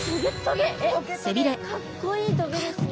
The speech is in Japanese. かっこいい棘ですね。